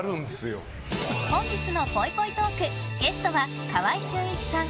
本日のぽいぽいトークゲストは川合俊一さん